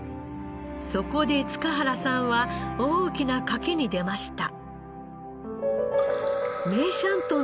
そこで塚原さんは大きな賭けに出ました。